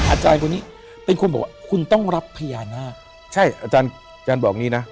อาจารย์คนนี้เป็นคนบอกว่าคุณต้องรับพญานาคใช่อาจารย์บอกงี้นะ